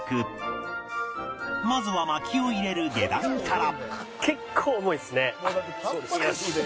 まずは薪を入れる下段から